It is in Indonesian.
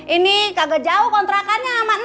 ini kagak jauh kontrakannya sama aku